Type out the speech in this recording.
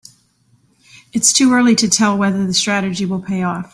Its too early to tell whether the strategy will pay off.